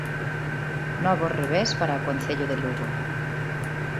Novo revés para o Concello de Lugo.